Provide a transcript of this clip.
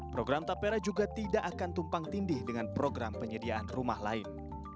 program tapera juga tidak akan tumpang tindih dengan program penyediaan rumah lain